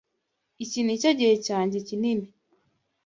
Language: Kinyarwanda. Iki nicyo gihe cyanjye kinini.